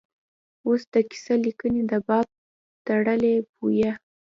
اوس د کیسه لیکنې دا باب تړلی بویه.